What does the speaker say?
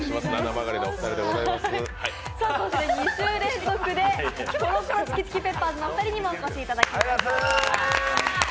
そして２週連続でコロコロチキチキペッパーズの二人にもお越しいただいています。